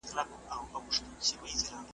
چي تر څو وطن ځنګل وي، د لېوانو حکومت وي `